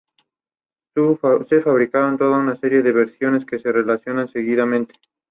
Los vecinos alertaron a las autoridades de la ciudad.